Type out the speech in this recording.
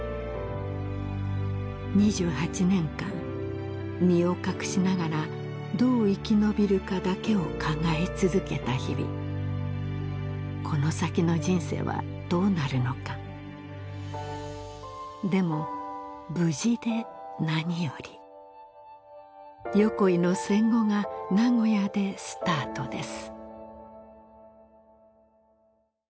２８年間身を隠しながらどう生き延びるかだけを考え続けた日々この先の人生はどうなるのかでも無事で何より横井の戦後が名古屋でスタートです